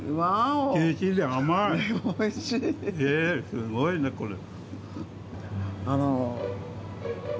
すごいねこれ。